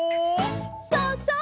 そうそう！